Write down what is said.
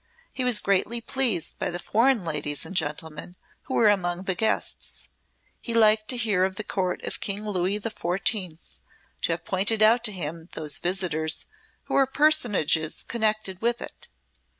He was greatly pleased by the foreign ladies and gentlemen who were among the guests he liked to hear of the Court of King Louis the Fourteenth, and to have pointed out to him those visitors who were personages connected with it.